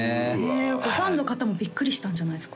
ファンの方もビックリしたんじゃないですか？